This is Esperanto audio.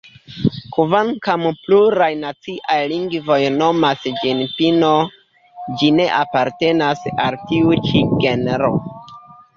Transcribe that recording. Kvankam pluraj naciaj lingvoj nomas ĝin "pino", ĝi ne apartenas al tiu ĉi genro.